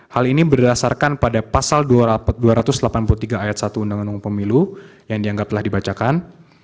hal ini berdasarkan pada pasal dua ratus delapan puluh tiga ayat satu undang undang pemilu yang dianggap telah dibacakan